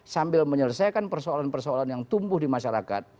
sambil menyelesaikan persoalan persoalan yang tumbuh di masyarakat